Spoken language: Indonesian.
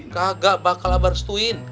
kagak bakal abah restuin